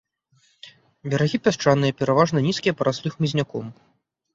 Берагі пясчаныя, пераважна нізкія, параслі хмызняком.